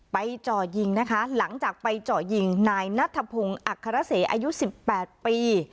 ไปจ่อยิงนะคะหลังจากไปจ่อยิงนายนัทธพงศ์อักษรเศรษฐ์อายุสิบแปดปี